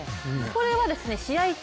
これは試合中